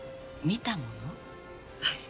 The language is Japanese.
はい。